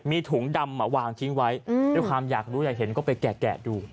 มีถุงดำมาวางทิ้งไว้ด้วยความอยากรู้อยากเห็นก็ไปแกะดู